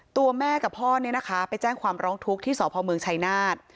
ตัวแม่กับพ่อเนี่ยนะคะไปแจ้งความร้องทุกข์ที่สพเมืองชัยนาธ